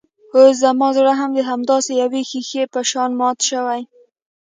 اوس زما زړه هم د همداسې يوې ښيښې په شان مات شوی.